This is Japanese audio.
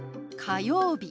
「火曜日」。